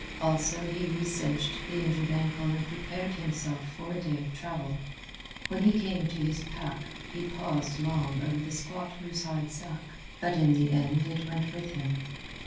Also, he recinched the injured ankle and prepared himself for a day of travel. When he came to his pack, he paused long over the squat moose hide sack, but in the end it went with him.